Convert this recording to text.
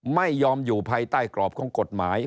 ไม่ยอมอยู่ภายใต้กรอบของกฎหมาย